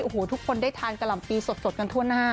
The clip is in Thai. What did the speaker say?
โอ้โหทุกคนได้ทานกะห่ำปีสดกันทั่วหน้า